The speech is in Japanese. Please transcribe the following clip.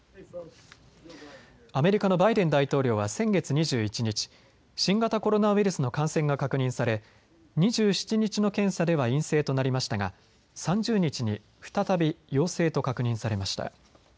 アメリカのバイデン大統領は先月２１日、新型コロナウイルスの感染が確認され、２７日の検査では陰性となりましたが３０日に再び陽性と確認されました。